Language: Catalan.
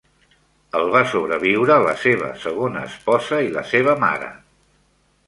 El va sobreviure la seva segona esposa i la seva mare.